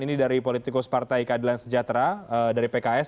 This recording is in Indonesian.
ini dari politikus partai keadilan sejahtera dari pks